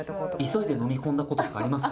急いで飲み込んだこととかあります？